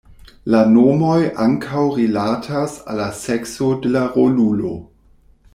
La nomoj ankaŭ rilatas al la sekso de la rolulo.